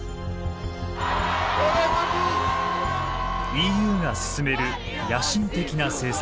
ＥＵが進める野心的な政策。